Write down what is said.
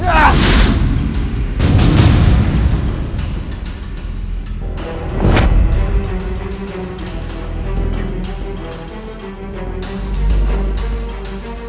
aku akan membuatmu mati